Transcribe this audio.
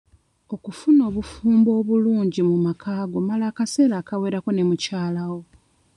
Okufuna obufumbo obulungi mu makaago mala akaseera akawerako ne mukyalawo.